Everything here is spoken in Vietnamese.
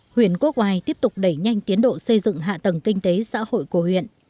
huyện quốc oai tiếp tục đẩy nhanh tiến độ xây dựng hạ tầng kinh tế xã hội của huyện